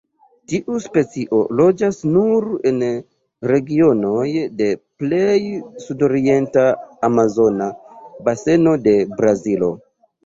Tiu specio loĝas nur en regionoj de plej sudorienta Amazona Baseno de Brazilo.